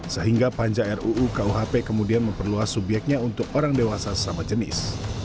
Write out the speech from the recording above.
sehingga panja ruu kuhp kemudian memperluas subyeknya untuk orang dewasa sesama jenis